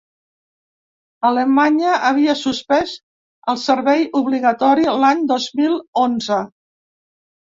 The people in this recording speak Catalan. Alemanya havia suspès el servei obligatori l’any dos mil onze.